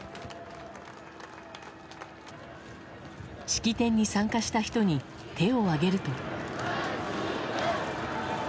式典に参加した人に手を上げると。